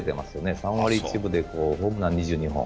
３割１分でホームラン２２本。